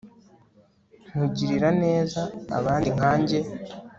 nkugirira neza abandi nkanjye